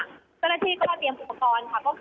เจ้าหน้าที่ก็มาเตรียมอุปกรณ์ค่ะ